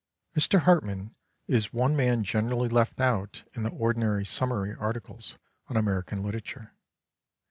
Mr. Hartmann is one man gen erally left out in the ordinary summary articles on American litera ture.